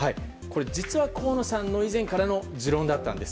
実は、河野さんの以前からの持論だったんです。